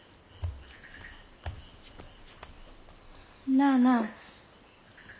なあなあ。